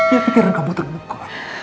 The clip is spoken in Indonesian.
yang pikiran kamu terbuka